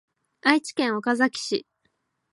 愛知県岡崎市